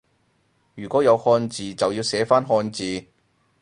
如果有漢字就要寫返漢字